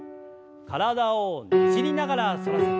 体をねじりながら反らせて。